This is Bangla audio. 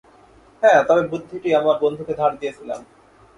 হ্যাঁ, তবে বুদ্ধিটি আমার বন্ধুকে ধার দিয়েছিলাম।